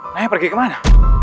naya pergi kemana